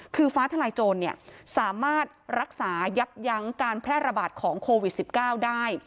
คือฟ้าทลายโจรสามารถรักษายับยั้งการแพร่ระบาดของโควิด๑๙ได้